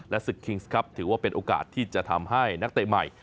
ศึกคิงส์ครับถือว่าเป็นโอกาสที่จะทำให้นักเตะใหม่